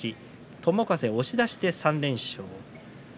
友風は押し出しで３連勝。